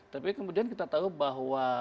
tapi kemudian kita tahu bahwa